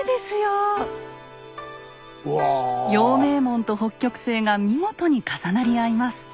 陽明門と北極星が見事に重なり合います。